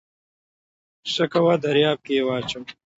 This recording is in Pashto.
ښه کوه دریاب کې واچوه